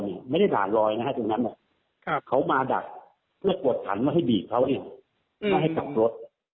เพื่อให้ขับรถ